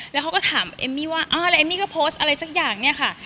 แล้วเขาก็ถามเอมมี่ว่าอ่าแล้วเอมมี่ก็โพสต์อะไรสักอย่างเนี่ยค่ะ